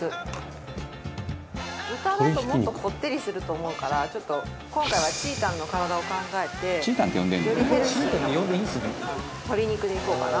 豚だともっとこってりすると思うからちょっと今回はちーたんの体を考えてよりヘルシーな鶏肉でいこうかなと。